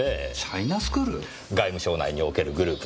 外務省内におけるグループです。